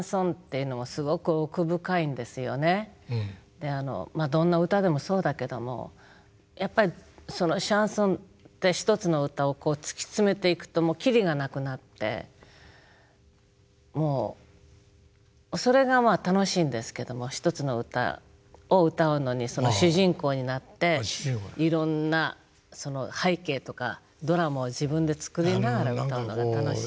でどんな歌でもそうだけどもやっぱりシャンソンって一つの歌を突き詰めていくとキリがなくなってもうそれが楽しいんですけども一つの歌を歌うのに主人公になっていろんな背景とかドラマを自分で作りながら歌うのが楽しいです。